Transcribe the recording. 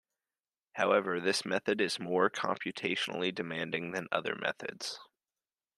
However, this method is more computationally demanding than other methods.